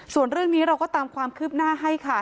ส่วนเรื่องนี้เราก็ตามความคืบหน้าให้ค่ะ